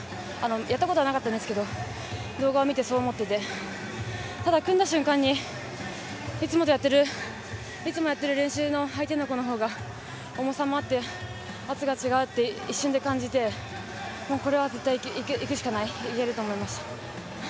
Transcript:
やったことはなかったんですけど、動画を見てそう思ってて、ただ、組んだ瞬間に、いつもやってる練習の相手の子のほうが重さもあって、圧が違うって一瞬で感じて、もうこれは絶対いくしかない、いけると思いました。